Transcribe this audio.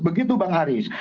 begitu bang haris